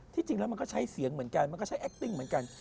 จริงแล้วมันก็ใช้เสียงเหมือนกันมันก็ใช้แอคติ้งเหมือนกัน